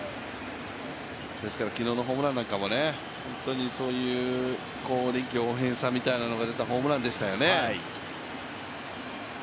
ですから昨日のホームランなんかも、そういう臨機応変さみたいなのが出たホームランでしたよね。